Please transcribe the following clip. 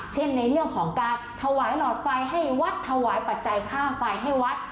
เช่นในเรื่องของการถวายหลอดไฟให้วัดถวายปัจจัยค่าไฟให้วัด